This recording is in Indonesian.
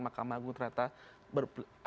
makam agung ternyata